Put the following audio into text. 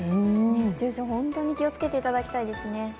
熱中症、本当に気をつけていただきたいですね。